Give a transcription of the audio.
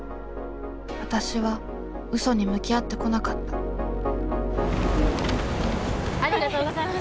わたしは嘘に向き合ってこなかったありがとうございます。